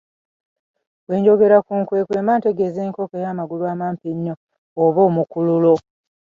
Bwenjogera ku nkwekwe mba ntegeeza nkoko ey’amagulu amampi ennyo. oba omukululo.